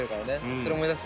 それ思い出す？